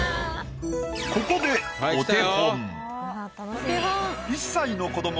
ここでお手本。